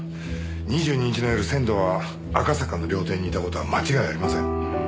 ２２日の夜仙堂は赤坂の料亭にいた事は間違いありません。